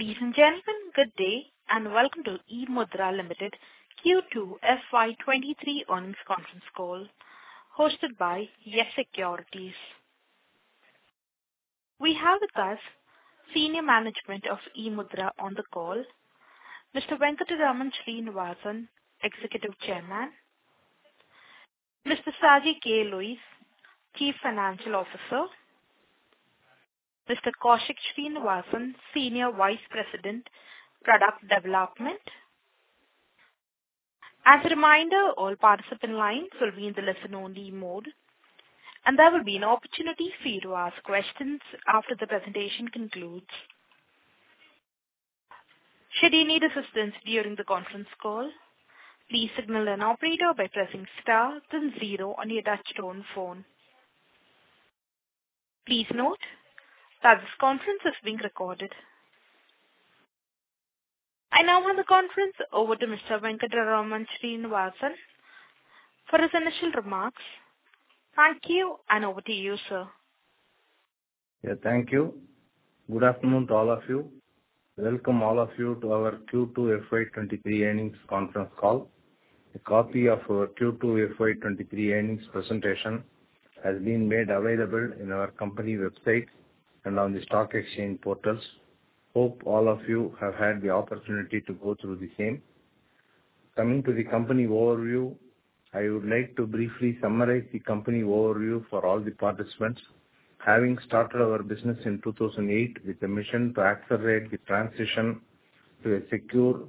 Ladies and gentlemen, good day, and welcome to eMudhra Limited Q2 FY23 Earnings Conference Call hosted by Yes Securities. We have with us senior management of eMudhra on the call, Mr. Venkatraman Srinivasan, Executive Chairman, Mr. Shaji K. Louis, Chief Financial Officer, Mr. Kaushik Srinivasan, Senior Vice President, Product Development. As a reminder, all participant lines will be in the listen-only mode, and there will be an opportunity for you to ask questions after the presentation concludes. Should you need assistance during the conference call, please signal an operator by pressing star then zero on your touchtone phone. Please note that this conference is being recorded. I now hand the conference over to Mr. Venkatraman Srinivasan for his initial remarks. Thank you, and over to you, sir. Yeah, thank you. Good afternoon to all of you. Welcome all of you to our Q2 FY 2023 earnings conference call. A copy of our Q2 FY 2023 earnings presentation has been made available in our company website and on the stock exchange portals. Hope all of you have had the opportunity to go through the same. Coming to the company overview, I would like to briefly summarize the company overview for all the participants. Having started our business in 2008 with a mission to accelerate the transition to a secure,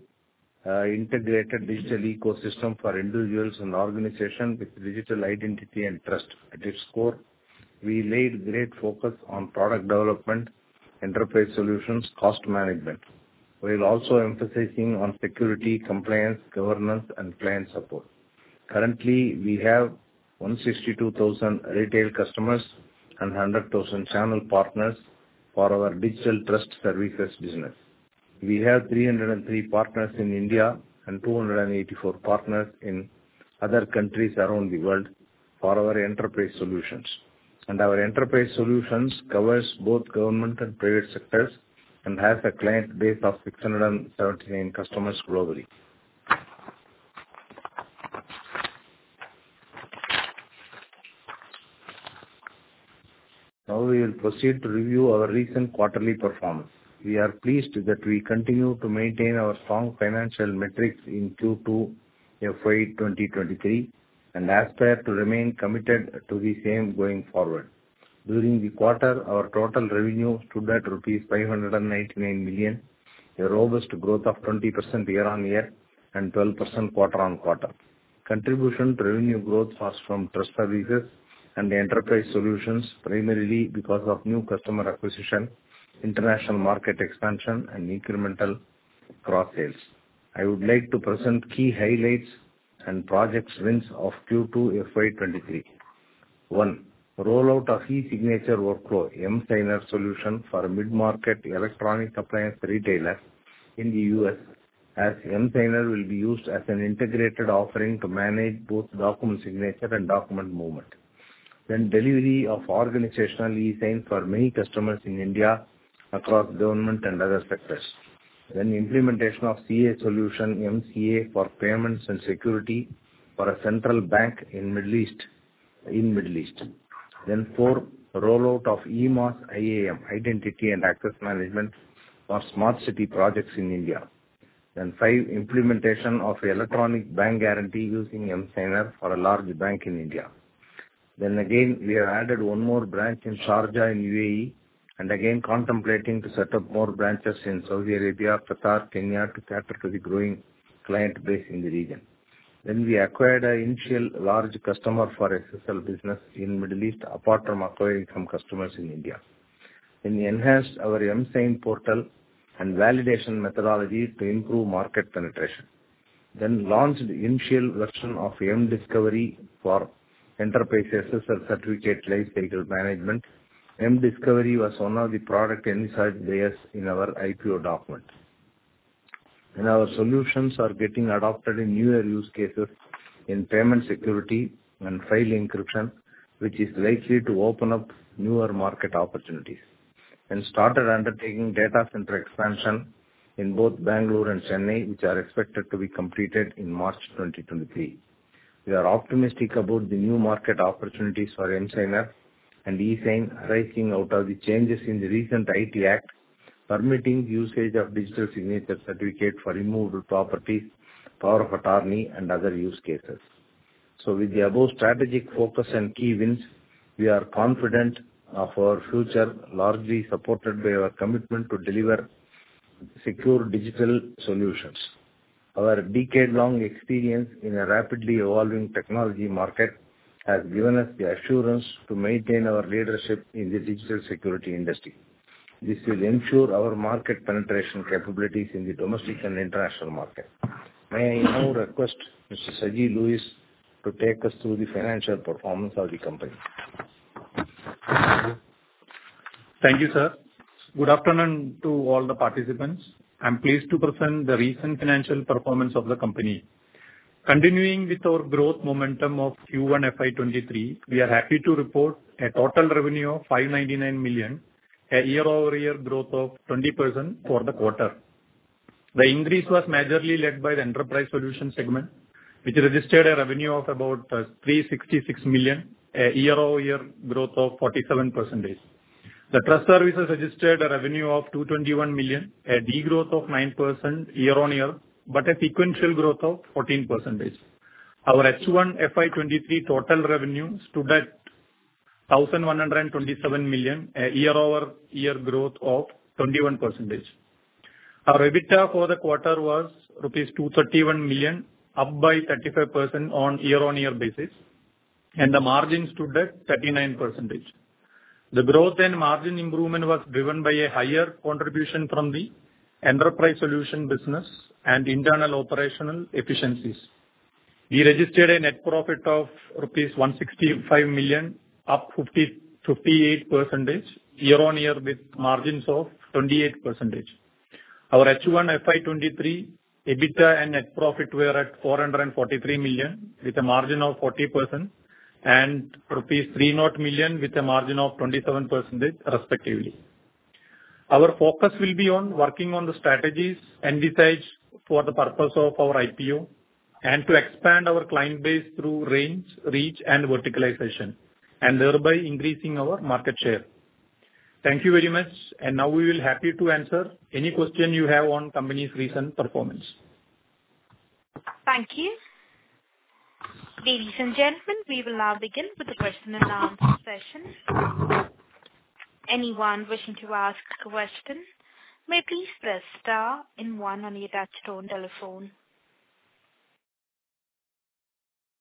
integrated digital ecosystem for individuals and organizations with digital identity and trust at its core. We laid great focus on product development, enterprise solutions, cost management. We're also emphasizing on security, compliance, governance, and client support. Currently, we have 162,000 retail customers and 100,000 channel partners for our digital trust services business. We have 303 partners in India and 284 partners in other countries around the world for our enterprise solutions. Our enterprise solutions covers both government and private sectors and has a client base of 679 customers globally. Now we will proceed to review our recent quarterly performance. We are pleased that we continue to maintain our strong financial metrics in Q2 FY 2023 and aspire to remain committed to the same going forward. During the quarter, our total revenue stood at rupees 599 million, a robust growth of 20% year-on-year and 12% quarter-on-quarter. Contribution to revenue growth was from trust services and the enterprise solutions, primarily because of new customer acquisition, international market expansion, and incremental cross-sales. I would like to present key highlights and project wins of Q2 FY 2023. One. Rollout of e-signature workflow, emSigner solution, for a mid-market electronic appliance retailer in the US, as emSigner will be used as an integrated offering to manage both document signature and document movement. Delivery of organizational eSign for many customers in India across government and other sectors. Implementation of CA solution, emCA, for payments and security for a central bank in Middle East, in Middle East. Four. Rollout of emAS IAM, Identity and Access Management, for smart city projects in India. Five. Implementation of electronic bank guarantee using emSigner for a large bank in India. Again, we have added one more branch in Sharjah in UAE, and again contemplating to set up more branches in Saudi Arabia, Qatar, Kenya, to cater to the growing client base in the region. We acquired an initial large customer for SSL business in Middle East, apart from acquiring some customers in India. Enhanced our mSigner portal and validation methodology to improve market penetration. Launched initial version of mDiscovery for enterprise SSL certificate lifecycle management. mDiscovery was one of the product emphasized by us in our IPO document. Our solutions are getting adopted in newer use cases in payment security and file encryption, which is likely to open up newer market opportunities. Started undertaking data center expansion in both Bangalore and Chennai, which are expected to be completed in March 2023. We are optimistic about the new market opportunities for mSigner and eSign arising out of the changes in the recent IT Act, permitting usage of digital signature certificate for immovable properties, power of attorney, and other use cases. With the above strategic focus and key wins, we are confident of our future, largely supported by our commitment to deliver secure digital solutions. Our decade-long experience in a rapidly evolving technology market has given us the assurance to maintain our leadership in the digital security industry. This will ensure our market penetration capabilities in the domestic and international market. May I now request Mr. Shaji K. Louis to take us through the financial performance of the company. Thank you, sir. Good afternoon to all the participants. I'm pleased to present the recent financial performance of the company. Continuing with our growth momentum of Q1 FY23, we are happy to report a total revenue of 599 million, a year-over-year growth of 20% for the quarter. The increase was majorly led by the enterprise solution segment, which registered a revenue of about 366 million, a year-over-year growth of 47%. The trust services registered a revenue of 221 million, a degrowth of 9% year-on-year, but a sequential growth of 14%. Our H1 FY23 total revenue stood at 1,127 million, a year-over-year growth of 21%. Our EBITDA for the quarter was 231 million rupees, up by 35% on year-on-year basis, and the margin stood at 39%. The growth and margin improvement was driven by a higher contribution from the enterprise solution business and internal operational efficiencies. We registered a net profit of rupees 165 million, up 58% year-on-year with margins of 28%. Our H1 FY 2023 EBITDA and net profit were at 443 million, with a margin of 40% and rupees 30 million with a margin of 27% respectively. Our focus will be on working on the strategies envisaged for the purpose of our IPO and to expand our client base through range, reach and verticalization, and thereby increasing our market share. Thank you very much. Now we will be happy to answer any question you have on company's recent performance. Thank you. Ladies and gentlemen, we will now begin with the question and answer session. Anyone wishing to ask a question may please press star and one on your touchtone telephone.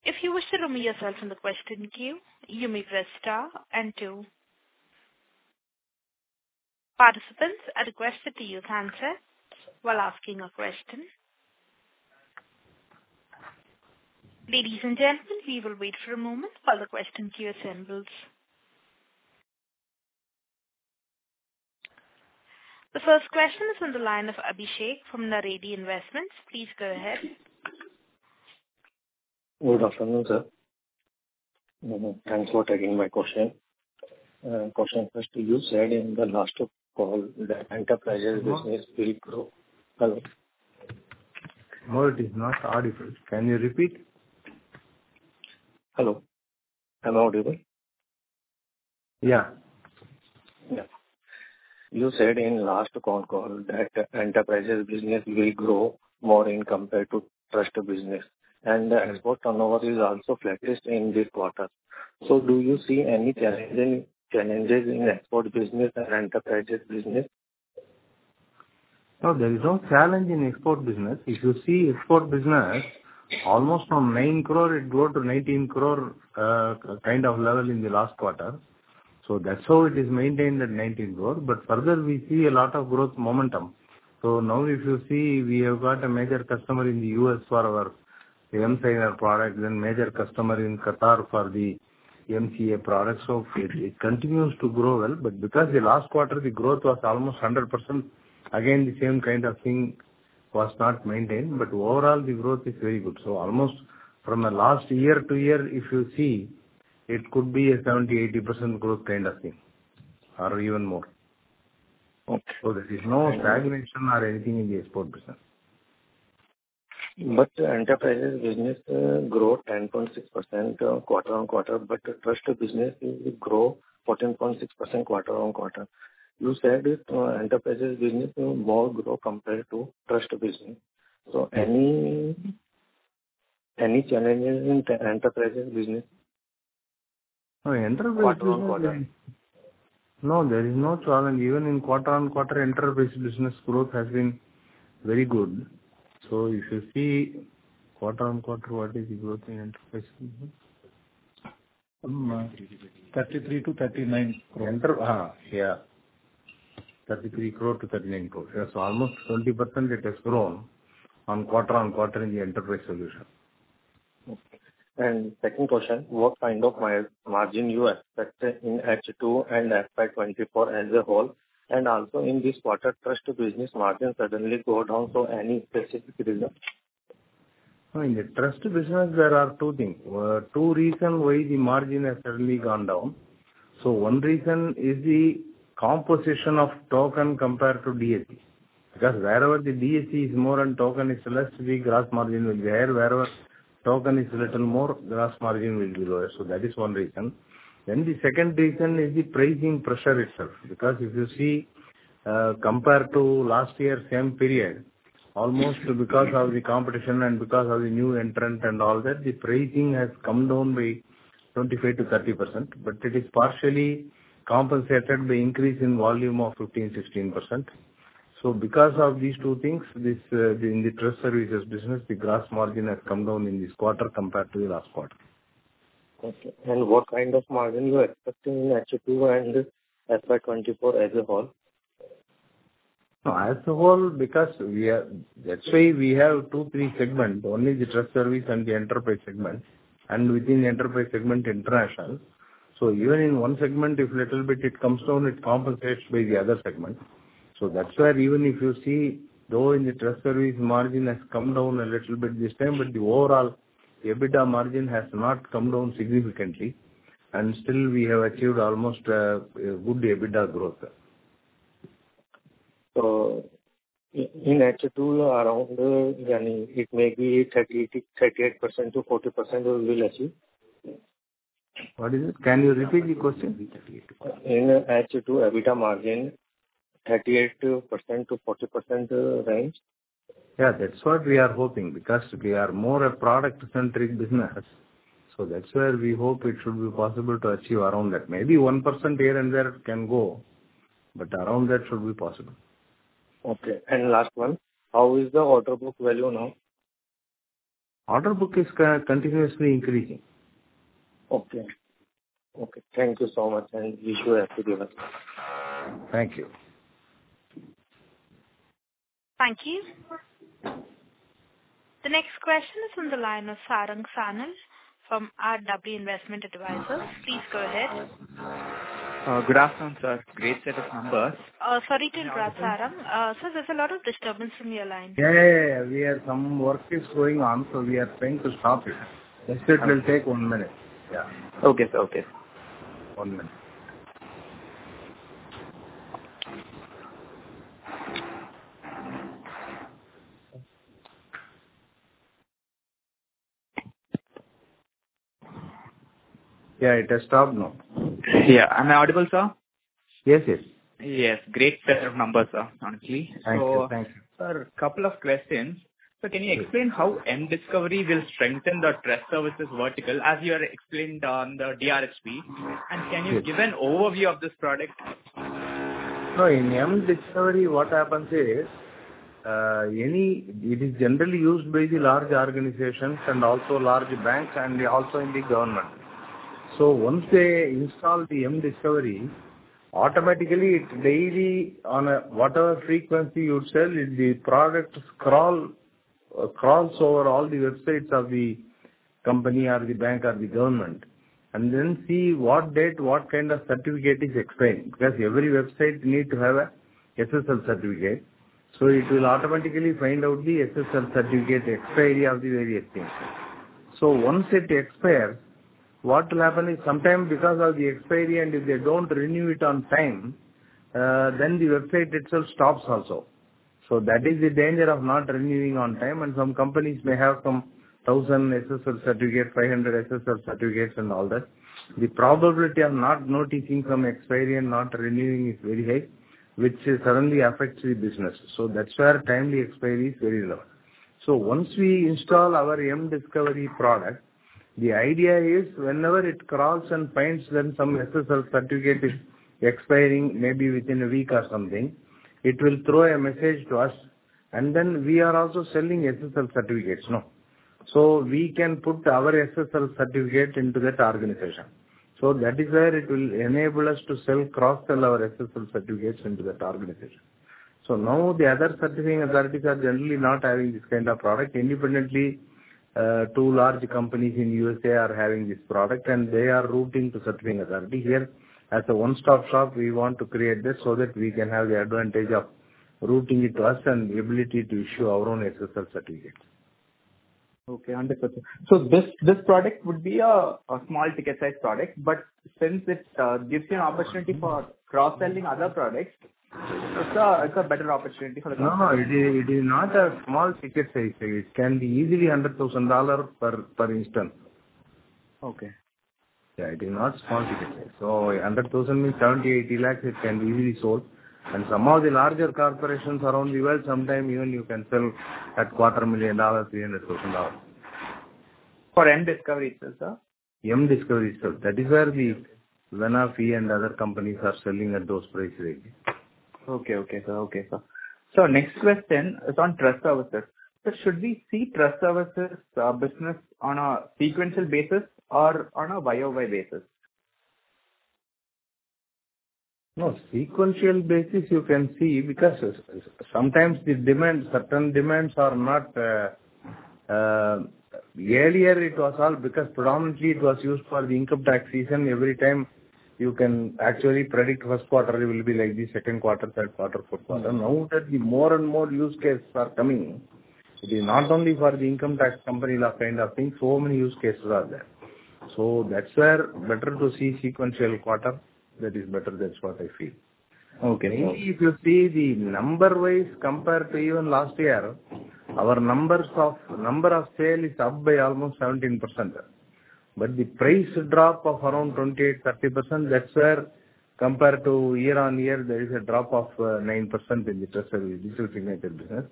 If you wish to remove yourself from the question queue, you may press star and two. Participants are requested to use handset while asking a question. Ladies and gentlemen, we will wait for a moment while the question queue assembles. The first question is on the line of Abhishek from Naradi Investments. Please go ahead. Good afternoon, sir. Thanks for taking my question. Question first to you. Said in the last call that enterprises business will grow. Hello? No, it is not audible. Can you repeat? Hello. Hello. Yeah. Yeah. You said in last con call that enterprises business will grow more in compared to trust business and the export turnover is also flat in this quarter. Do you see any challenges in export business and enterprises business? No, there is no challenge in export business. If you see export business, almost from 9 crore it grow to 19 crore, kind of level in the last quarter. That's how it is maintained at 19 crore. Further we see a lot of growth momentum. Now if you see, we have got a major customer in the U.S. for our emSigner product, then major customer in Qatar for the emCA product. It continues to grow well, but because the last quarter the growth was almost 100%, again the same kind of thing was not maintained. Overall the growth is very good. Almost from the last year to year, if you see, it could be a 70-80% growth kind of thing or even more. Okay. There is no stagnation or anything in the export business. Enterprises business grow 10.6% quarter-on-quarter, but trust business will grow 14.6% quarter-on-quarter. You said it, enterprises business will more grow compared to trust business. Any challenges in the enterprises business? No enterprise- quarter-over-quarter. No, there is no challenge. Even in quarter-on-quarter, enterprise business growth has been very good. If you see quarter-on-quarter, what is the growth in enterprise business? INR 33 crore-INR 39 crore. INR 33 crore-INR 39 crore. Yes. Almost 20% it has grown quarter-over-quarter in the enterprise solution. Okay. Second question, what kind of margin you expect in H2 and FY 2024 as a whole, and also in this quarter trust business margin suddenly go down. Any specific reason? In the trust business there are two things, two reasons why the margin has suddenly gone down. One reason is the composition of token compared to DSC, because wherever the DSC is more and token is less, the gross margin will be higher. Wherever token is little more, gross margin will be lower. That is one reason. The second reason is the pricing pressure itself. If you see, compared to last year same period, almost because of the competition and because of the new entrant and all that, the pricing has come down by 25%-30%, but it is partially compensated by increase in volume of 15%-16%. Because of these two things, this, in the trust services business, the gross margin has come down in this quarter compared to the last quarter. Okay. What kind of margin you're expecting in H2 and FY 2024 as a whole? As a whole, because we are. That's why we have two or three segments, only the trust service and the enterprise segment, and within enterprise segment international. Even in one segment, if a little bit it comes down, it compensates by the other segment. That's where even if you see, though in the trust service margin has come down a little bit this time, but the overall EBITDA margin has not come down significantly, and still we have achieved almost a good EBITDA growth. In H2 around, it may be 38%-40% we will achieve? What is it? Can you repeat the question? In H2 EBITDA margin, 38%-40% range. Yeah, that's what we are hoping because we are more a product-centric business. That's where we hope it should be possible to achieve around that. Maybe 1% here and there it can go, but around that should be possible. Okay. Last one. How is the order book value now? Order book is continuously increasing. Okay. Okay, thank you so much, and wish you a happy Diwali. Thank you. Thank you. The next question is on the line of Sarang Sanil from RW Investment Advisors. Please go ahead. Good afternoon, sir. Great set of numbers. Sorry to interrupt, Sarang. Sir, there's a lot of disturbance from your line. Yeah. Some work is going on, so we are trying to stop it. Just it will take one minute. Yeah. Okay, sir. Okay. One minute. Yeah. It has stopped now. Yeah. Am I audible, sir? Yes. Yes. Yes. Great set of numbers, sir, honestly. Thank you. Thank you. Sir, couple of questions. Can you explain how mDiscovery will strengthen the trust services vertical, as you have explained on the DRHP? Can you give an overview of this product? In mDiscovery, what happens is it is generally used by the large organizations and also large banks and also in the government. Once they install the mDiscovery, automatically it daily, on a whatever frequency you would set, the product crawls over all the websites of the company or the bank or the government, and then see what date, what kind of certificate is expiring, because every website needs to have an SSL certificate. It will automatically find out the SSL certificate expiry of the various things. Once it expires, what will happen is sometimes because of the expiry and if they don't renew it on time, then the website itself stops also. That is the danger of not renewing on time. Some companies may have some 1,000 SSL certificates, 500 SSL certificates and all that. The probability of not noticing some expiry and not renewing is very high, which suddenly affects the business. That's where timely expiry is very low. Once we install our mDiscovery product, the idea is whenever it crawls and finds then some SSL certificate is expiring may be within a week or something, it will throw a message to us, and then we are also selling SSL certificates now. We can put our SSL certificate into that organization. That is where it will enable us to sell, cross-sell our SSL certificates into that organization. Now the other certifying authorities are generally not having this kind of product. Independently, two large companies in USA are having this product and they are routing to certifying authority. Here, as a one-stop shop, we want to create this so that we can have the advantage of routing it to us and the ability to issue our own SSL certificate. Okay, understood. This product would be a small ticket size product. Since it gives you an opportunity for cross-selling other products, it's a better opportunity for the- No, it is not a small ticket size. It can be easily $100,000 per instance. Okay. Yeah, it is not small ticket size. $100,000 means 70-80 lakhs. It can be easily sold. Some of the larger corporations around the world, sometimes even you can sell at $250,000, $300,000. For mDiscovery itself, sir? mDiscovery itself. That is where the Venafi and other companies are selling at those price range. Okay, sir. Sir, next question is on trust services. Sir, should we see trust services business on a sequential basis or on a YOY basis? No, sequential basis you can see because sometimes the demand, certain demands are not. Earlier it was all because predominantly it was used for the income tax season. Every time you can actually predict first quarter will be like the second quarter, third quarter, fourth quarter. Now that the more and more use cases are coming, it is not only for the income tax company kind of thing, so many use cases are there. That's where better to see sequential quarter. That is better. That's what I feel. Okay. If you see the number-wise compared to even last year, our number of sales is up by almost 17%. The price drop of around 28-30%, that's where compared to year on year, there is a drop of 9% in the trust service digital signature business.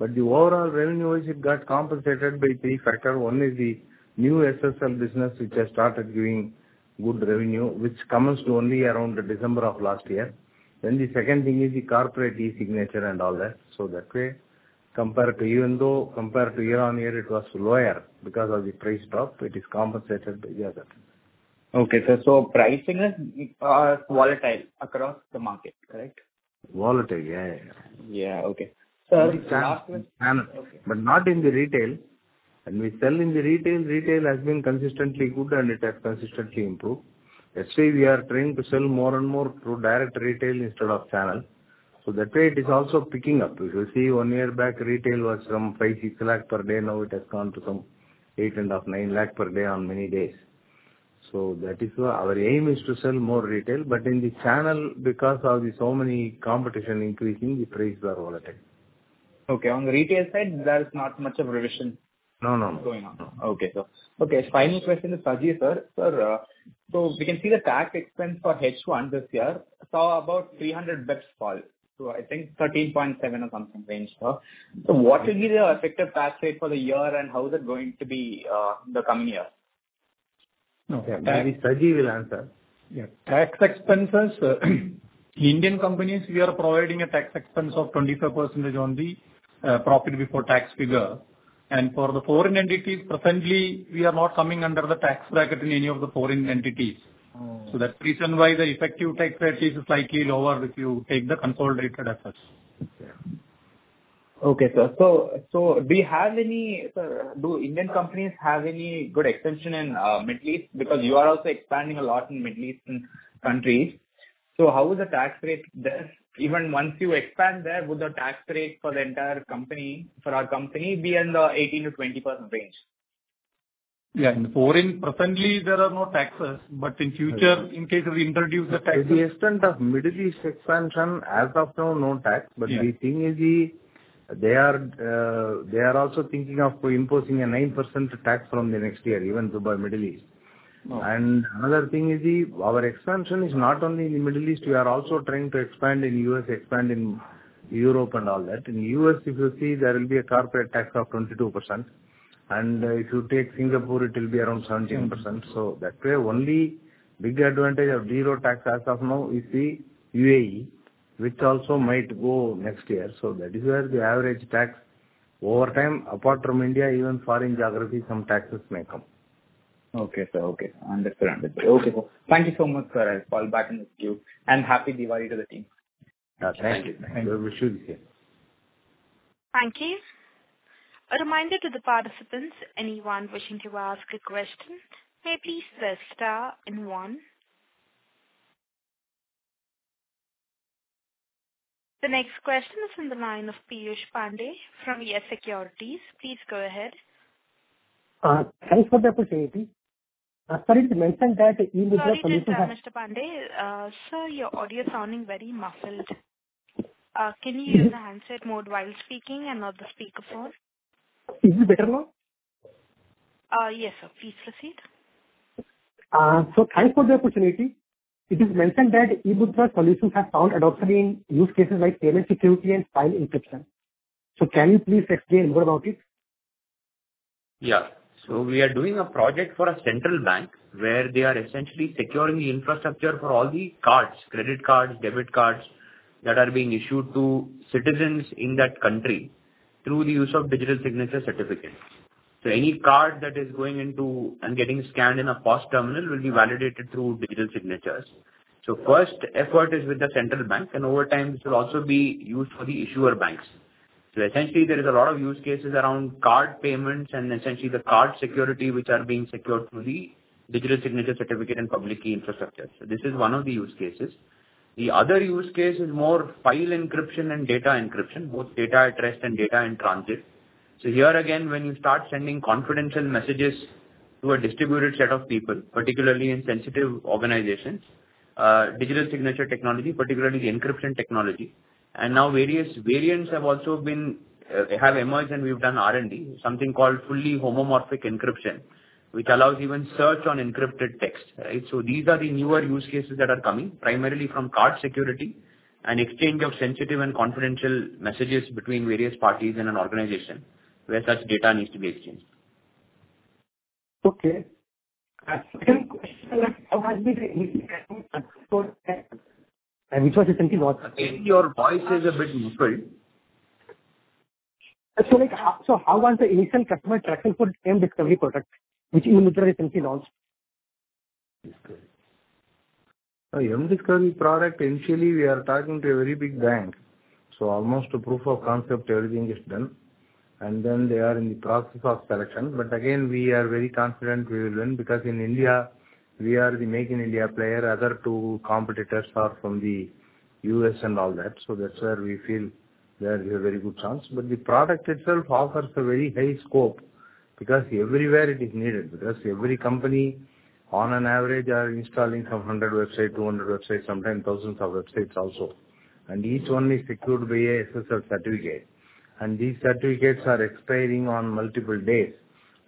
The overall revenue is it got compensated by three factors. One is the new SSL business, which has started giving good revenue, which commenced only around December of last year. The second thing is the corporate e-signature and all that. That way, even though compared to year on year it was lower because of the price drop, it is compensated by the other. Okay, sir. Pricing is volatile across the market, correct? Volatile. Yeah. Yeah. Okay. Sir, last one. Sanal. Okay. Not in the retail. We sell in the retail. Retail has been consistently good and it has consistently improved. That's why we are trying to sell more and more through direct retail instead of channel. That way it is also picking up. If you see 1 year back, retail was from 5-6 lakh per day, now it has gone to some 8.5-9 lakh per day on many days. That is why our aim is to sell more retail, but in the channel, because of the so many competition increasing, the prices are volatile. Okay. On the retail side, there is not much of revision. No, no. Going on. No. Okay, sir. Okay, final question is Shaji, sir. Sir, we can see the tax expense for H1 this year saw about 300 basis points fall. I think 13.7% or something range, sir. What will be the effective tax rate for the year, and how is it going to be in the coming year? Okay. Maybe Shaji K. Louis will answer. Yeah. Tax expenses. Indian companies, we are providing a tax expense of 25% on the profit before tax figure. For the foreign entities, presently we are not coming under the tax bracket in any of the foreign entities. Mm. That's the reason why the effective tax rate is slightly lower if you take the consolidated figures. Yeah. Okay, sir. Sir, do Indian companies have any good extension in Middle East? Because you are also expanding a lot in Middle Eastern countries. How is the tax rate there? Even once you expand there, would the tax rate for the entire company, for our company be in the 18%-20% range? Yeah. In foreign presently there are no taxes, but in future in case we introduce the taxes. To the extent of Middle East expansion, as of now, no tax. Yeah. The thing is, they are also thinking of imposing a 9% tax from the next year, even Dubai, Middle East. Oh. Another thing is our expansion is not only in the Middle East, we are also trying to expand in U.S., expand in Europe and all that. In U.S. if you see, there will be a corporate tax of 22%, and if you take Singapore it will be around 17%. That way only big advantage of 0% tax as of now is the UAE, which also might go next year. That is where the average tax over time, apart from India, even foreign geographies, some taxes may come. Okay, sir. Understood. Okay, cool. Thank you so much, sir. I'll call back in the queue and Happy Diwali to the team. Thank you. Thank you. The wish is here. Thank you. A reminder to the participants, anyone wishing to ask a question, may please press star and one. The next question is from the line of Piyush Pandey from YES Securities. Please go ahead. Thanks for the opportunity. Sorry to mention that eMudhra Solutions. Sorry, Mr. Pandey. Sir, your audio sounding very muffled. Can you use the handset mode while speaking and not the speakerphone? Is it better now? Yes, sir. Please proceed. Thanks for the opportunity. It is mentioned that eMudhra Solutions has found adoption in use cases like payment security and file encryption. Can you please explain more about it? Yeah. We are doing a project for a central bank where they are essentially securing the infrastructure for all the cards, credit cards, debit cards that are being issued to citizens in that country through the use of digital signature certificates. Any card that is going into and getting scanned in a POS terminal will be validated through digital signatures. First effort is with the central bank and over time this will also be used for the issuer banks. Essentially there is a lot of use cases around card payments and essentially the card security which are being secured through the digital signature certificate and public key infrastructure. This is one of the use cases. The other use case is more file encryption and data encryption, both data at rest and data in transit. Here again, when you start sending confidential messages to a distributed set of people, particularly in sensitive organizations, digital signature technology, particularly the encryption technology. Now various variants have also emerged and we've done R&D. Something called fully homomorphic encryption, which allows even search on encrypted text, right? These are the newer use cases that are coming primarily from card security and exchange of sensitive and confidential messages between various parties in an organization where such data needs to be exchanged. Okay. Second question, like, how has the initial and which was recently launched? Your voice is a bit muffled. Like, so how was the initial customer traction for mDiscovery product, which eMudhra recently launched? mDiscovery. mDiscovery product, initially we are talking to a very big bank. Almost a proof of concept, everything is done. Then they are in the process of selection. Again, we are very confident we will win because in India we are the Make in India player. Other two competitors are from the U.S. and all that. That's where we feel that we have very good chance. The product itself offers a very high scope because everywhere it is needed. Because every company on average is installing some 100 websites, 200 websites, sometimes thousands of websites also. Each one is secured by an SSL certificate. These certificates are expiring on multiple days.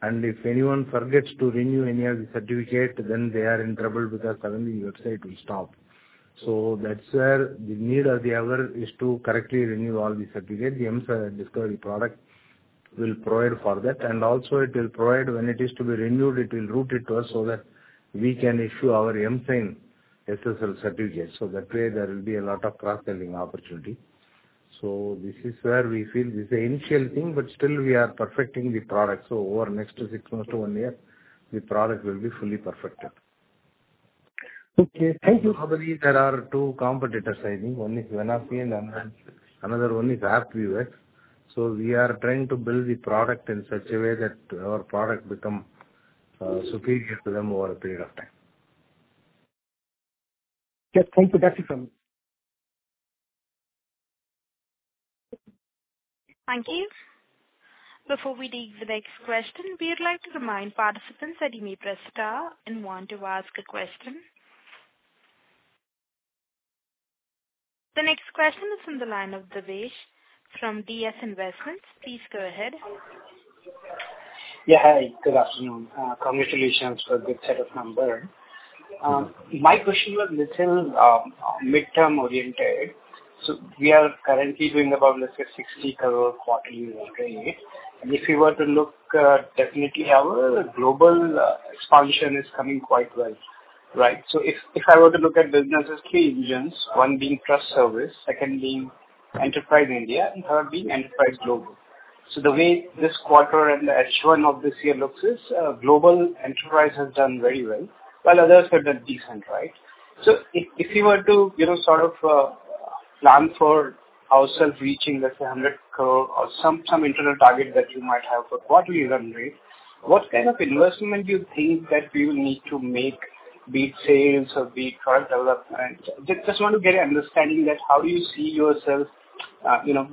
If anyone forgets to renew any of the certificates, then they are in trouble because suddenly the website will stop. That's where the need of the hour is to correctly renew all the certificates. The mDiscovery product will provide for that. It will also provide when it is to be renewed; it will route it to us so that we can issue our own signed SSL certificate. That way there will be a lot of cross-selling opportunity. This is where we feel this is an initial thing, but still we are perfecting the product. Over the next six months to one year, the product will be fully perfected. Okay. Thank you. Probably there are two competitors, I think. One is Venafi and another one is AppViewX. We are trying to build the product in such a way that our product become superior to them over a period of time. Yes. Thank you. That's it from me. Thank you. Before we take the next question, we would like to remind participants that you may press star and one to ask a question. The next question is from the line of Davesh from DS Investments. Please go ahead. Yeah. Hi. Good afternoon. Congratulations for a good set of numbers. My question was a little midterm-oriented. We are currently doing about, let's say, 60 crore quarterly run rate. If you were to look, definitely our global expansion is coming quite well, right? If I were to look at business's three engines, one being trust service, second being enterprise India, and third being enterprise global. The way this quarter and the H1 of this year looks is, global enterprise has done very well, while others have done decent, right? If you were to, you know, sort of, plan for ourselves reaching, let's say, 100 crore or some internal target that you might have for quarterly run rate, what kind of investment do you think that we will need to make, be it sales or be it product development? Just want to get an understanding that how do you see yourself, you know,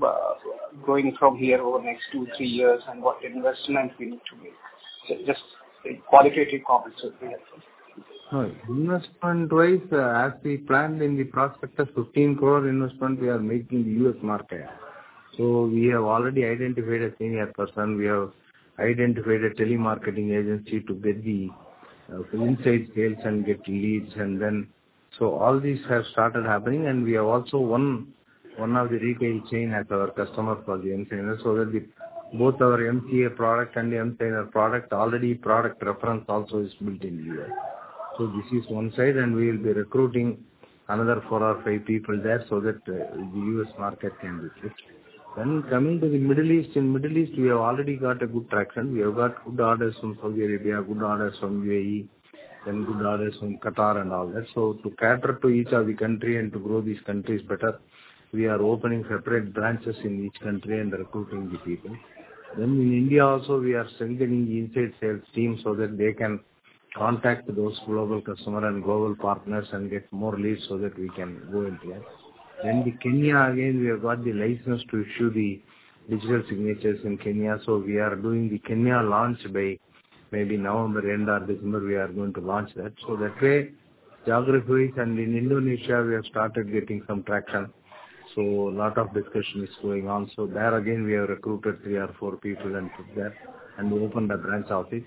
growing from here over the next two-three years and what investment we need to make. Just a qualitative comment would be helpful. Investment-wise, as we planned in the prospectus of 15 crore investment, we are making U.S. market. We have already identified a senior person. We have identified a telemarketing agency to get the inside sales and get leads and then. All these have started happening, and we have also won one of the retail chain as our customer for the emSigner, so that both our emCA product and the emSigner product, already product reference also is built in U.S. This is one side, and we will be recruiting another four or five people there so that the U.S. market can be fit. Coming to the Middle East. In the Middle East, we have already got a good traction. We have got good orders from Saudi Arabia, good orders from UAE, then good orders from Qatar and all that. To cater to each of the country and to grow these countries better, we are opening separate branches in each country and recruiting the people. In India also we are strengthening the inside sales team so that they can contact those global customer and global partners and get more leads so that we can go into that. The Kenya, again, we have got the license to issue the digital signatures in Kenya, so we are doing the Kenya launch by maybe November end or December we are going to launch that. That way, geography-wise. In Indonesia we have started getting some traction, so lot of discussion is going on. There again, we have recruited three or four people and sit there and opened a branch office.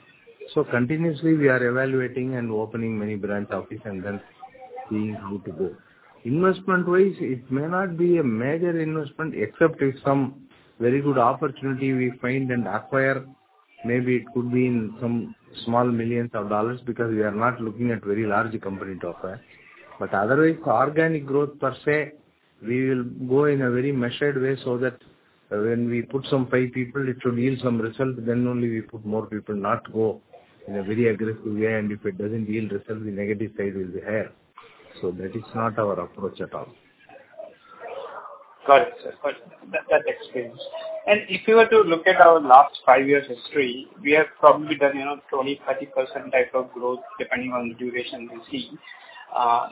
Continuously we are evaluating and opening many branch office and then seeing how to go. Investment-wise, it may not be a major investment except if some very good opportunity we find and acquire. Maybe it could be in some small millions of dollars because we are not looking at very large company to offer. Otherwise, organic growth per se, we will go in a very measured way so that when we put some five people, it should yield some result, then only we put more people, not go in a very aggressive way. If it doesn't yield result, the negative side will be higher. That is not our approach at all. Got it, sir. Got it. That explains. If you were to look at our last five years history, we have probably done, you know, 20%-30% type of growth depending on the duration we see.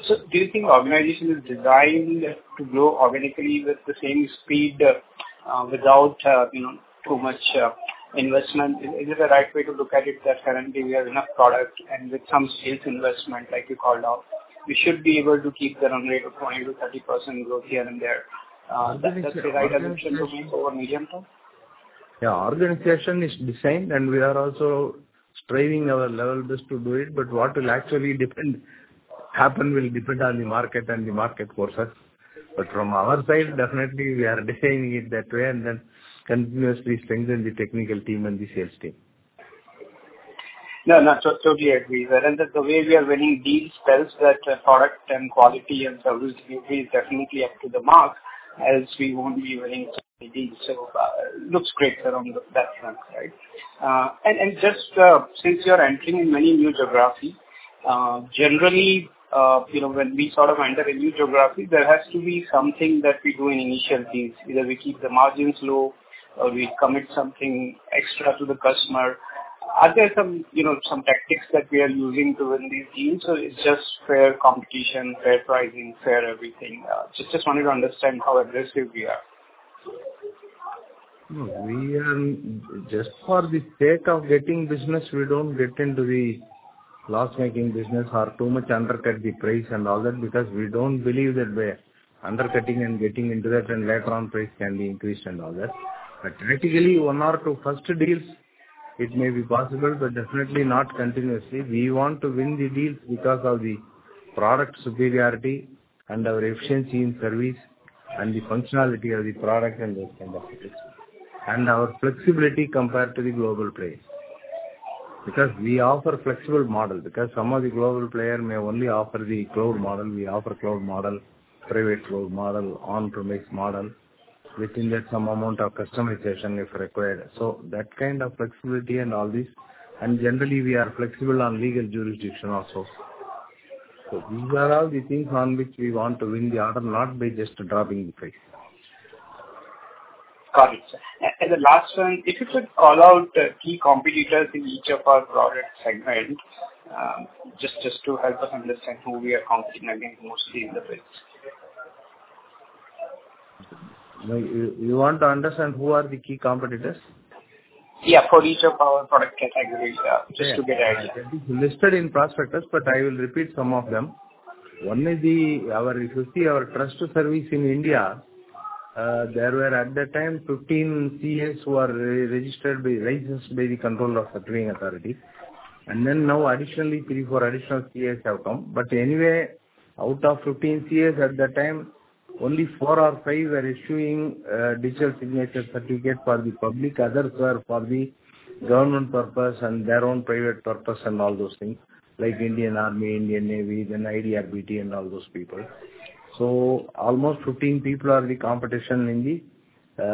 So do you think organization is designed to grow organically with the same speed without too much investment? Is it the right way to look at it that currently we have enough product and with some sales investment, like you called out, we should be able to keep the run rate of 20%-30% growth here and there? Is that the right assumption to make over medium term? Yeah. Organization is designed, and we are also striving our level best to do it. What will actually happen will depend on the market and the market forces. From our side, definitely we are designing it that way and then continuously strengthen the technical team and the sales team. No, no, totally agree. Well, the way we are winning deals tells that product and quality and service delivery is definitely up to the mark as we won't be winning deals. Looks great around that front, right? Just since you're entering in many new geography, generally, you know, when we sort of enter a new geography, there has to be something that we do in initial deals. Either we keep the margins low or we commit something extra to the customer. Are there some, you know, some tactics that we are using to win these deals or it's just fair competition, fair pricing, fair everything? Just wanted to understand how aggressive we are. No. We just for the sake of getting business, we don't get into the loss-making business or too much undercut the price and all that because we don't believe that by undercutting and getting into that and later on price can be increased and all that. Tactically, one or two first deals, it may be possible, but definitely not continuously. We want to win the deals because of the product superiority and our efficiency in service and the functionality of the product and those kind of things, and our flexibility compared to the global players. We offer flexible model, because some of the global player may only offer the cloud model. We offer cloud model, private cloud model, on-premise model. We can get some amount of customization if required. That kind of flexibility and all this, and generally we are flexible on legal jurisdiction also. These are all the things on which we want to win the order, not by just dropping the price. Got it. The last one, if you could call out the key competitors in each of our product segments, just to help us understand who we are competing against mostly in the space. Like, you want to understand who are the key competitors? Yeah. For each of our product categories, just to get an idea. Yes. They'll be listed in prospectus, but I will repeat some of them. One is our trust service in India. If you see our trust service in India, there were at that time 15 CAs who were licensed by the Controller of Certifying Authority. Now additionally three or four additional CAs have come. Anyway, out of 15 CAs at that time, only four or five were issuing digital signature certificate for the public. Others were for the government purpose and their own private purpose and all those things, like Indian Army, Indian Navy, then IDRBT and all those people. Almost 15 people are the competition in the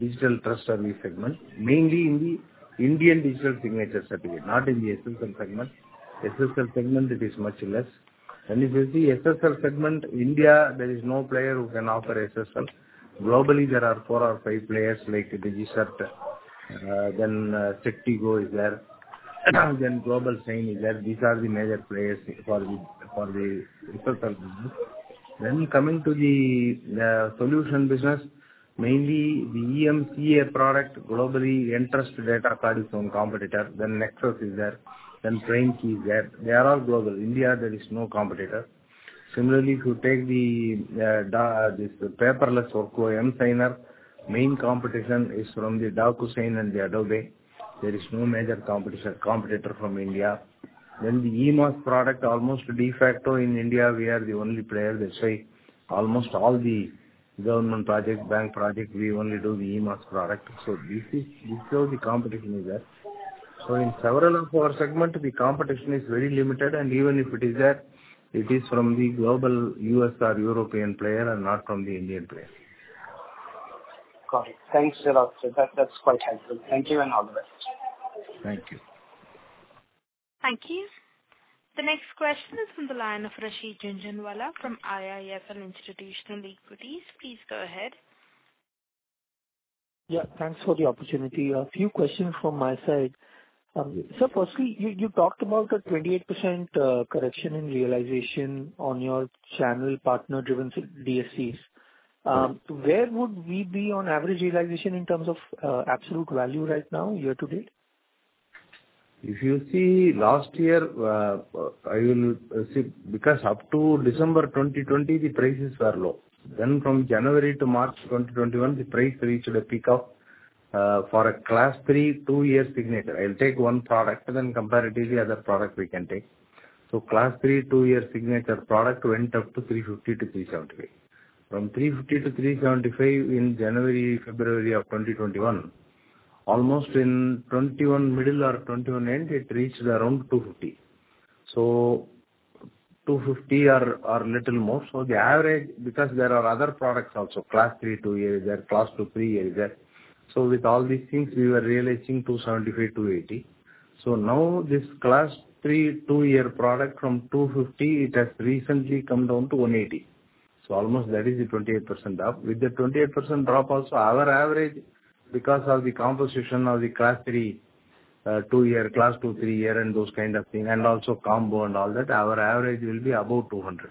digital trust service segment, mainly in the Indian digital signature certificate, not in the SSL segment. SSL segment it is much less. If you see SSL segment, India, there is no player who can offer SSL. Globally, there are four or five players like DigiCert, then, Sectigo is there. Yeah. GlobalSign is there. These are the major players for the SSL segment. Coming to the solution business, mainly the emCA product globally, Entrust Datacard is one competitor, then Nexus is there, then PrimeKey is there. They are all global. India, there is no competitor. Similarly, if you take this paperless workflow, emSigner, main competition is from the DocuSign and the Adobe. There is no major competitor from India. Then the emAS product, almost de facto in India, we are the only player. That's why almost all the government projects, bank project, we only do the emAS product. This shows the competition is there. In several of our segment, the competition is very limited, and even if it is there, it is from the global US or European player and not from the Indian player. Got it. Thanks a lot, sir. That's quite helpful. Thank you and all the best. Thank you. Thank you. The next question is from the line of Rishi Jhunjhunwala from IIFL Institutional Equities. Please go ahead. Yeah. Thanks for the opportunity. A few questions from my side. Firstly, you talked about a 28% correction in realization on your channel partner-driven DSCs. Where would we be on average realization in terms of absolute value right now year to date? If you see last year, because up to December 2020, the prices were low. From January to March 2021, the price reached a peak of for a class three, two-year signature. I'll take one product and then comparatively other product we can take. Class three, two-year signature product went up to 350-375. From 350 to 375 in January, February of 2021, almost in 2021 middle or 2021 end it reached around 250. 250 or a little more. The average, because there are other products also, class 3, two-year is there, class two, three-year is there. With all these things we were realizing 275, 280. Now this class three two-year product from 250, it has recently come down to 180. Almost that is the 28% drop. With the 28% drop also, our average because of the composition of the Class three, two-year, Class two, three-year and those kind of thing, and also combo and all that, our average will be above 200.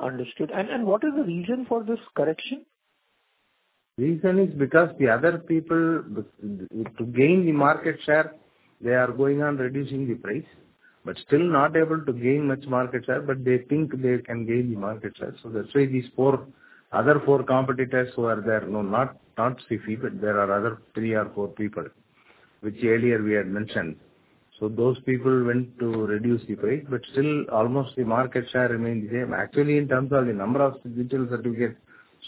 Understood. What is the reason for this correction? Reason is because the other people, to gain the market share, they are going on reducing the price, but still not able to gain much market share, but they think they can gain the market share. That's why these four, other four competitors who are there, no, not Sify, but there are other three or four people, which earlier we had mentioned. Those people went to reduce the price, but still almost the market share remains same. Actually, in terms of the number of digital certificates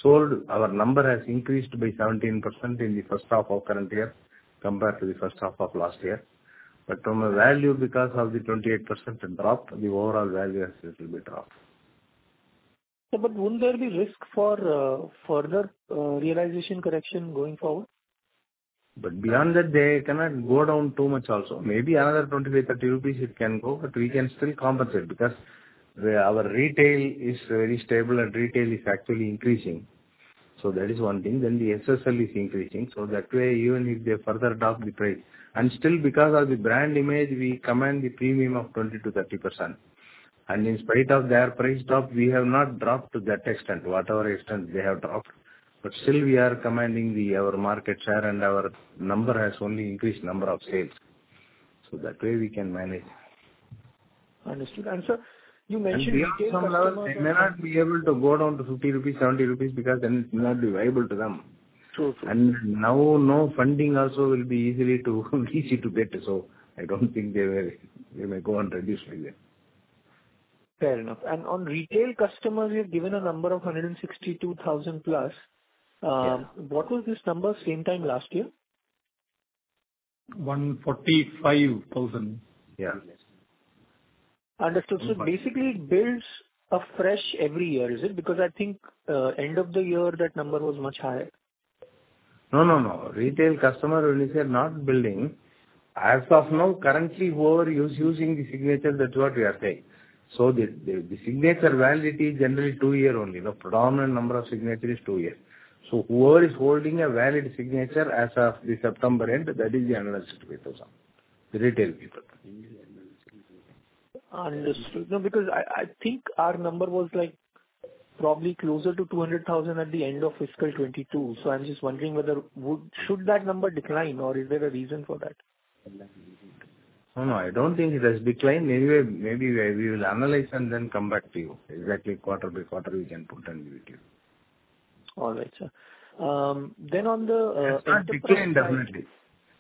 sold, our number has increased by 17% in the first half of current year compared to the first half of last year. From a value, because of the 28% drop, the overall value has little bit dropped. Sir, won't there be risk for further realization correction going forward? Beyond that, they cannot go down too much also. Maybe another 20-30 rupees it can go, but we can still compensate because our retail is very stable and retail is actually increasing. That is one thing. The SSL is increasing, so that way even if they further drop the price. Still because of the brand image, we command the premium of 20%-30%. In spite of their price drop, we have not dropped to that extent, whatever extent they have dropped. Still we are commanding our market share and our number has only increased number of sales. That way we can manage. Understood. Sir, you mentioned. Beyond some level, they may not be able to go down to 50 rupees, 70 rupees because then it won't be viable to them. True, true. Now no funding also will be easy to get. I don't think they will. They may go and reduce further. Fair enough. On retail customers, you've given a number of 162,000 plus. Yeah. What was this number same time last year? 145,000. Yeah. Understood. Basically it builds afresh every year, is it? Because I think, end of the year, that number was much higher. No, no. Retail customer base are not building. As of now, currently, whoever is using the signature, that's what we are saying. The signature validity is generally two years only. The predominant number of signature is two years. Whoever is holding a valid signature as of the September end, that is the analyzed result. The retail result. Understood. No, because I think our number was, like, probably closer to 200,000 at the end of fiscal 2022. I'm just wondering whether that number should decline, or is there a reason for that? No, I don't think it has declined. Maybe we will analyze and then come back to you. Exactly quarter by quarter we can put and give it to you. All right, sir. It's not declined definitely.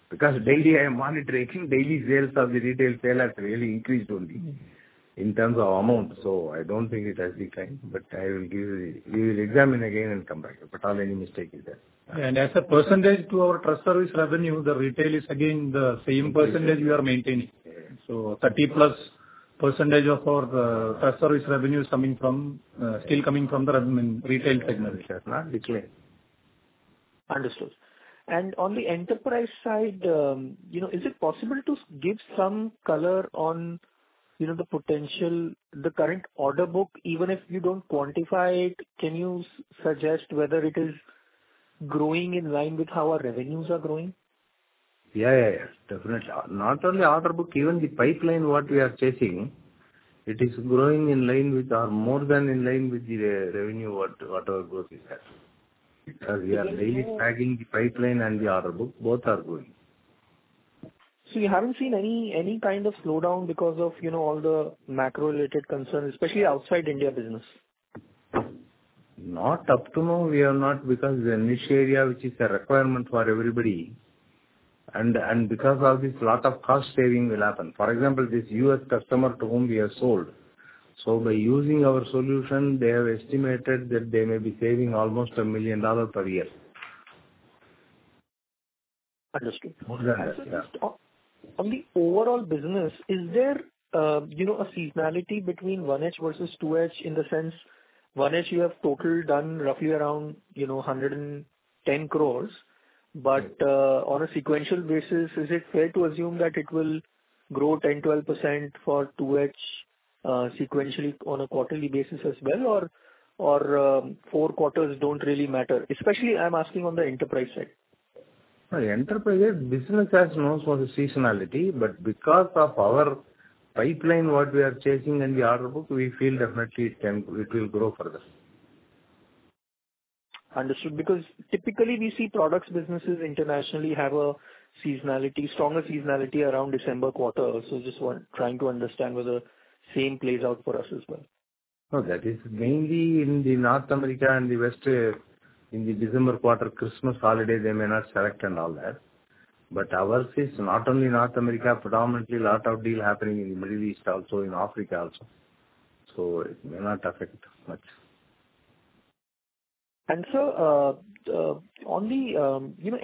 Because daily I am monitoring. Daily sales of the retail sale has really increased only in terms of amount. I don't think it has declined, but I will give. We will examine again and come back to you. Hardly any mistake is there. As a percentage to our trust service revenue, the retail is again the same percentage we are maintaining. 30%+ of our trust service revenue is still coming from the retail segment. It has not declined. Understood. On the enterprise side, you know, is it possible to give some color on, you know, the potential, the current order book, even if you don't quantify it, can you suggest whether it is growing in line with how our revenues are growing? Yeah. Definitely. Not only order book, even the pipeline what we are chasing, it is growing in line with or more than in line with the revenue whatever growth is there. Because we are daily tracking the pipeline and the order book, both are growing. You haven't seen any kind of slowdown because of, you know, all the macro-related concerns, especially outside India business? Not up to now, we have not because the niche area which is a requirement for everybody and because of this, lot of cost saving will happen. For example, this U.S. customer to whom we have sold, so by using our solution, they have estimated that they may be saving almost $1 million per year. Understood. More than that, yeah. On the overall business, is there a seasonality between 1H versus 2H, in the sense 1H you have total done roughly around 110 crore. On a sequential basis, is it fair to assume that it will grow 10%-12% for 2H, sequentially on a quarterly basis as well? Or four quarters don't really matter? Especially, I'm asking on the enterprise side. No, enterprise business is known for the seasonality, but because of our pipeline, what we are chasing and the order book, we feel definitely it can, it will grow further. Understood. Because typically we see products businesses internationally have a seasonality, stronger seasonality around December quarter also. Trying to understand whether same plays out for us as well. No, that is mainly in North America and the West, in the December quarter, Christmas holiday, they may not sign and all that. Ours is not only North America, predominantly a lot of deal happening in Middle East also, in Africa also. It may not affect much. Sir, on the you know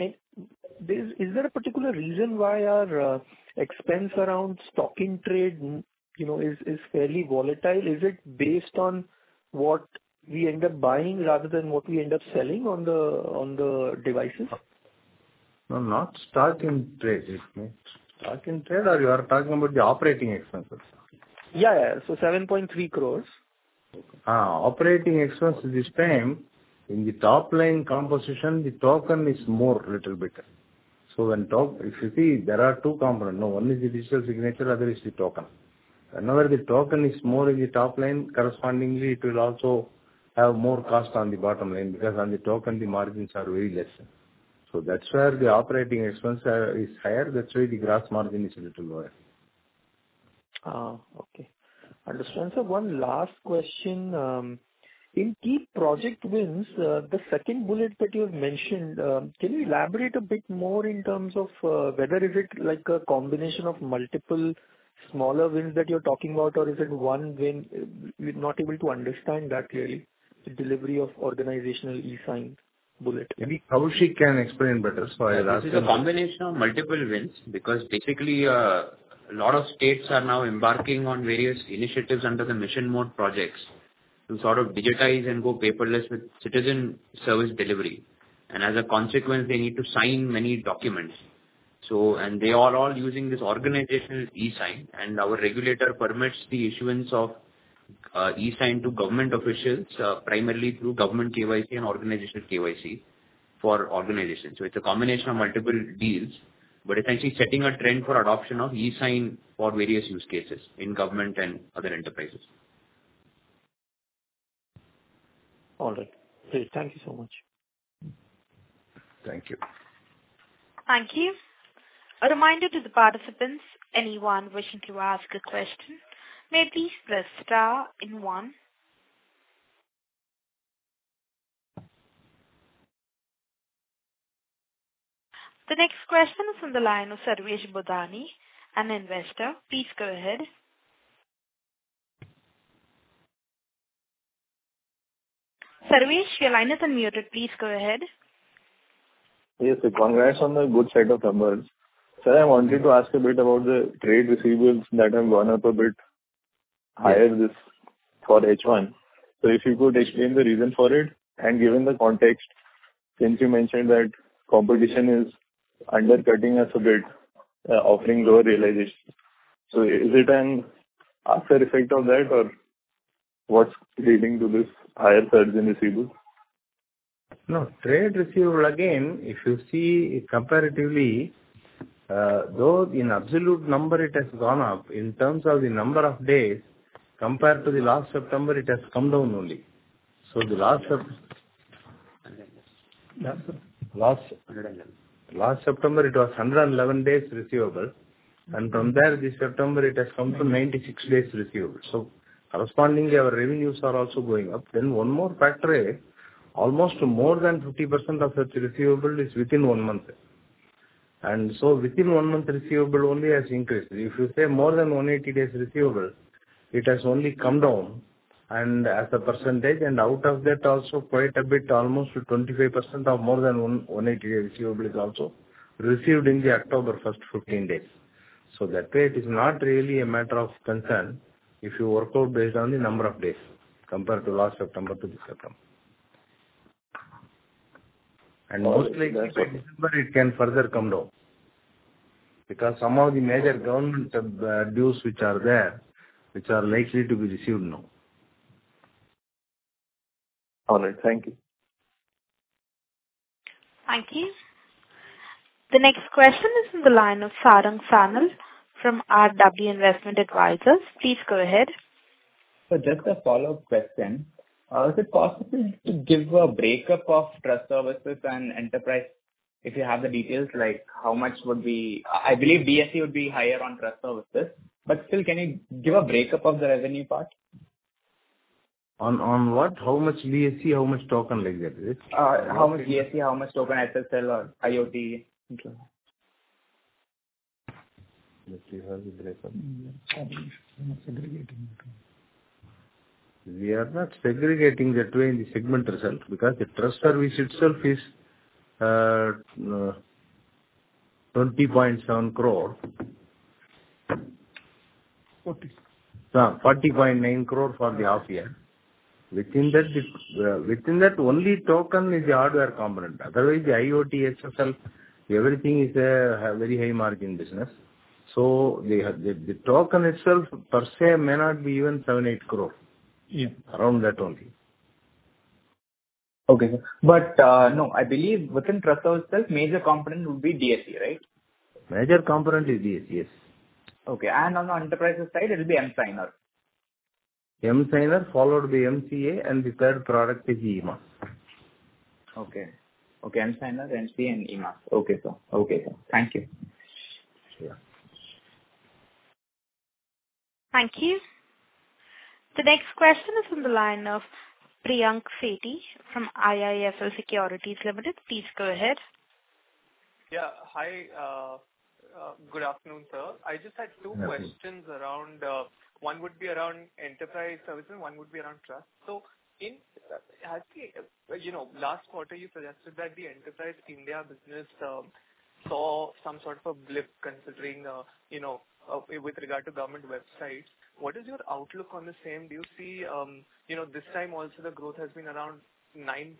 is there a particular reason why our expense around stocking trade you know is fairly volatile? Is it based on what we end up buying rather than what we end up selling on the devices? No, not stock trade. Stock trade or you are talking about the operating expenses? Yeah, yeah. 7.3 crores. Operating expense at this time, in the top line composition, the token is more little bit. If you see, there are two components. No, one is the digital signature, other is the token. Whenever the token is more in the top line, correspondingly it will also have more cost on the bottom line because on the token the margins are very less. That's where the operating expense is higher. That's why the gross margin is a little lower. Okay. Understood. Sir, one last question. In key project wins, the second bullet that you have mentioned, can you elaborate a bit more in terms of whether is it like a combination of multiple smaller wins that you're talking about, or is it one win? We're not able to understand that clearly. The delivery of organizational eSign bullet. Maybe Kaushik can explain better. I'll ask him. This is a combination of multiple wins because basically, a lot of states are now embarking on various initiatives under the mission mode projects to sort of digitize and go paperless with citizen service delivery. As a consequence, they need to sign many documents. They are all using this organizational eSign, and our regulator permits the issuance of eSign to government officials, primarily through government KYC and organizational KYC for organizations. It's a combination of multiple deals, but essentially setting a trend for adoption of eSign for various use cases in government and other enterprises. All right. Great. Thank you so much. Thank you. Thank you. A reminder to the participants, anyone wishing to ask a question may please press star and one. The next question is from the line of Sarvesh Budani, an investor. Please go ahead. Sarvesh, your line is unmuted. Please go ahead. Yes, sir. Congrats on the good set of numbers. Sir, I wanted to ask a bit about the trade receivables that have gone up a bit higher this for H one. If you could explain the reason for it, and given the context, since you mentioned that competition is undercutting us a bit, offering lower realization. Is it an after effect of that, or what's leading to this higher trade receivables? No. Trade receivable, again, if you see comparatively, though in absolute number it has gone up, in terms of the number of days compared to the last September, it has come down only. Yeah. Last September it was 111 days receivable, and from there this September it has come to 96 days receivable. Correspondingly, our revenues are also going up. One more factor is almost more than 50% of such receivable is within one month. Within one month receivable only has increased. If you say more than 180 days receivable, it has only come down and as a percentage, and out of that also quite a bit, almost 25% of more than 180-day receivable is also received in the October first 15 days. That way it is not really a matter of concern if you work out based on the number of days compared to last September to this September. Mostly December it can further come down because some of the major government dues which are there, which are likely to be received now. All right. Thank you. Thank you. The next question is in the line of Sarang Sanal from RW Investment Advisors. Please go ahead. Just a follow-up question. Is it possible to give a break-up of trust services and enterprise, if you have the details, like how much would be, I believe DSC would be higher on trust services, but still, can you give a break-up of the revenue part? On what? How much DSC, how much token, like that, is it? How much DSC, how much token SSL or IoT? Okay. Let's see how the breakup. I think we are not segregating. We are not segregating that way in the segment result because the trust service itself is 20.7 crore. Forty. No, 40.9 crore for the half year. Within that only token is the hardware component. Otherwise, the IoT, SSL, everything is a very high margin business. So the token itself per se may not be even 7-8 crore. Yeah. Around that only. Okay, sir. No, I believe within trust services itself, major component would be DSC, right? Major component is DSC, yes. Okay. On the enterprises side it'll be emSigner. emSigner followed by emCA, and the third product is emAS. Okay. emSigner, emCA, and emAS. Okay, sir. Thank you. Sure. Thank you. The next question is in the line of Priyank Sethi from IIFL Securities Limited. Please go ahead. Yeah. Hi. Good afternoon, sir. Good afternoon. I just had two questions around, one would be around enterprise services, one would be around trust. In, actually, you know, last quarter you suggested that the Enterprise India business saw some sort of a blip considering, you know, with regard to government websites. What is your outlook on the same? Do you see, you know, this time also the growth has been around 9%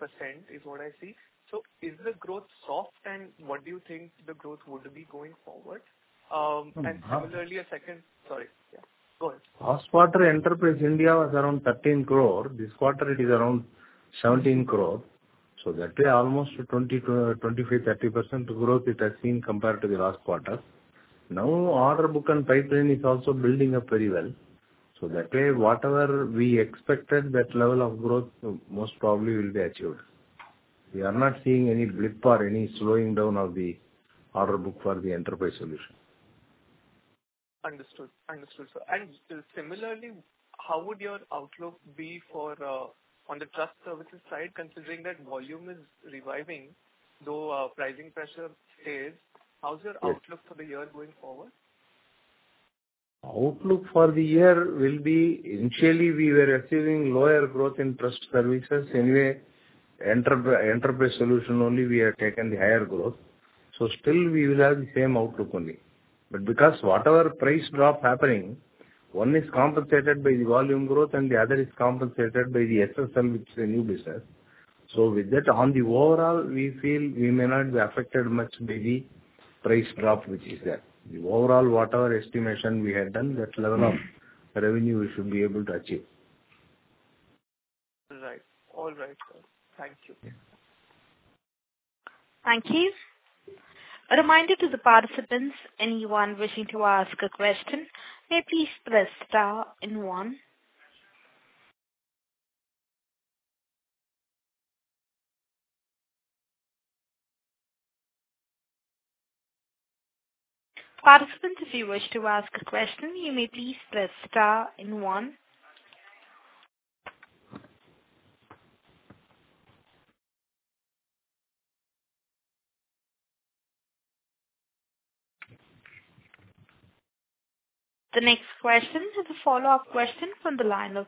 is what I see. Is the growth soft, and what do you think the growth would be going forward? Mm-hmm. Similarly, sorry. Yeah, go ahead. Last quarter, Enterprise India was around 13 crore. This quarter it is around 17 crore. That way almost 20%-25%, 30% growth it has seen compared to the last quarter. Now order book and pipeline is also building up very well. That way, whatever we expected, that level of growth most probably will be achieved. We are not seeing any blip or any slowing down of the order book for the enterprise solution. Understood. Understood, sir. Similarly, how would your outlook be for on the trust services side, considering that volume is reviving, though pricing pressure stays? How's your- Yes. Outlook for the year going forward? Outlook for the year will be initially we were achieving lower growth in trust services. Anyway, enterprise solution only we have taken the higher growth. Still we will have the same outlook only. Because whatever price drop happening, one is compensated by the volume growth and the other is compensated by the SSL, which is a new business. With that, on the overall, we feel we may not be affected much by the price drop which is there. The overall, whatever estimation we had done, that level of revenue we should be able to achieve. Right. All right, sir. Thank you. Thank you. A reminder to the participants, anyone wishing to ask a question, may please press star and one. Participants, if you wish to ask a question, you may please press star and one. The next question is a follow-up question from the line of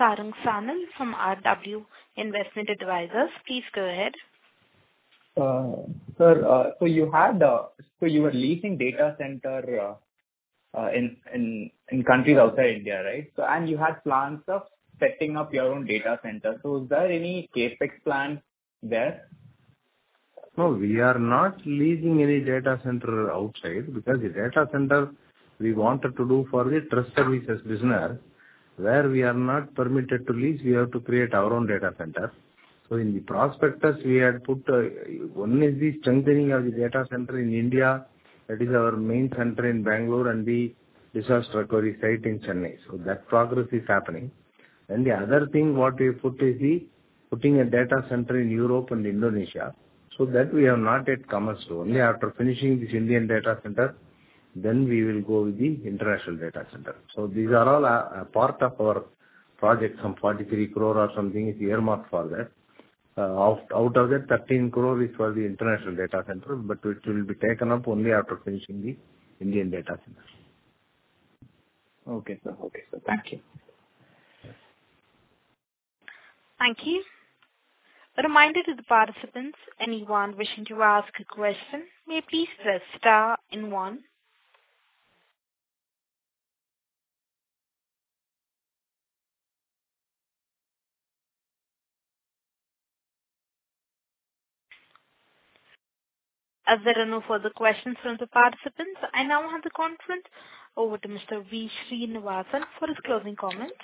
Sarang Sanal from RW Investment Advisors. Please go ahead. Sir, you were leasing data center in countries outside India, right? And you had plans of setting up your own data center. Is there any CapEx plan there? No, we are not leasing any data center outside because the data center we wanted to do for the trust services business, where we are not permitted to lease, we have to create our own data center. In the prospectus we had put, one is the strengthening of the data center in India. That is our main center in Bangalore and the disaster recovery site in Chennai. That progress is happening. The other thing what we put is the putting a data center in Europe and Indonesia, so that we have not yet commenced. Only after finishing this Indian data center, then we will go with the international data center. These are all a part of our project. Some 43 crore or something is earmarked for that. Out of that, 13 crore is for the international data center, but it will be taken up only after finishing the Indian data center. Okay, sir. Okay, sir. Thank you. Thank you. A reminder to the participants, anyone wishing to ask a question may please press star and one. As there are no further questions from the participants, I now hand the conference over to Mr. V. Srinivasan for his closing comments.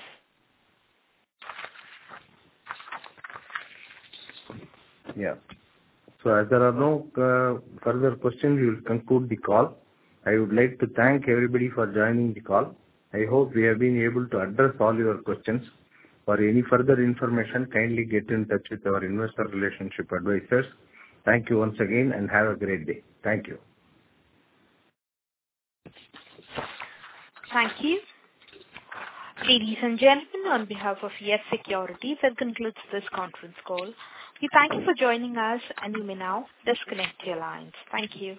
Yeah. As there are no further questions, we will conclude the call. I would like to thank everybody for joining the call. I hope we have been able to address all your questions. For any further information, kindly get in touch with our investor relationship advisors. Thank you once again and have a great day. Thank you. Thank you. Ladies and gentlemen, on behalf of Yes Securities, that concludes this conference call. We thank you for joining us and you may now disconnect your lines. Thank you.